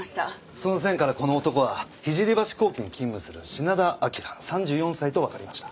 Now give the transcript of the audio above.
その線からこの男は聖橋工機に勤務する品田彰３４歳とわかりました。